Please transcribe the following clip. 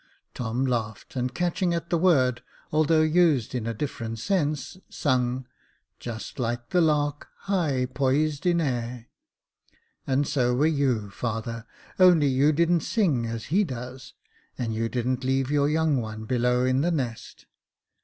Tom laughed, and catching at the word, although used in a different sense, sung, " Just like the lari, high poised in air. And so were you, father, only you didn't sing as he does, and you didn't leave your young one below in the nest."